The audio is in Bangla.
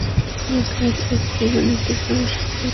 তিনি এক রাতে একটি গাণিতিক সমস্যার সমাধান করে ফেলেন।